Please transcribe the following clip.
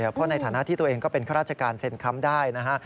เพราะในฐานะที่ตัวเองก็เป็นข้าราชการเซ็นค้ำได้นะฮะ